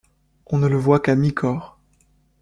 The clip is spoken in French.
On ne le voit qu’à mi-corps.